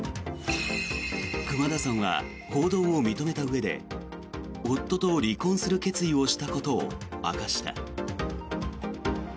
熊田さんは報道を認めたうえで夫と離婚する決意をしたことを明かした。